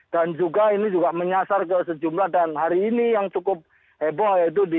dan juga ini juga menyasar ke sejumlah dan hari ini yang cukup heboh itu